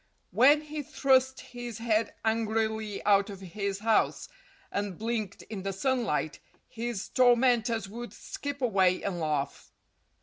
When he thrust his head angrily out of his house and blinked in the sunlight, his tormentors would skip away and laugh.